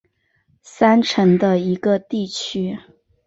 三城的一个地区。